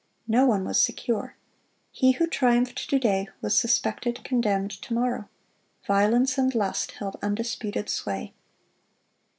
No one was secure. He who triumphed to day was suspected, condemned, to morrow. Violence and lust held undisputed sway.